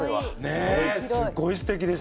ねえすごいすてきですね。